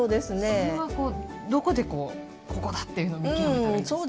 それはどこでここだというのを見極めたらいいですか？